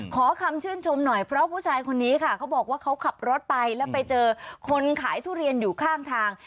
ขอคำชื่นชมหน่อยเพราะผู้ชายคนนี้ค่ะเขาบอกว่าเขาขับรถไปแล้วไปเจอคนขายทุเรียนอยู่ข้างทาง